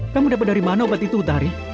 kamu dapat dari mana obat itu hutari